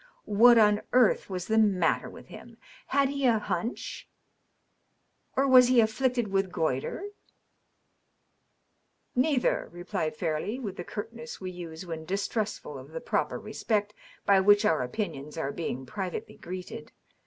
What on earth was the matter with him ? Had he a hunch ? Or was he afflicted with goitre ?"" Neither," replied Fairleigh, with the curtness we use when dis trustful of the proper respect by which our opinions are being pri vately greeted.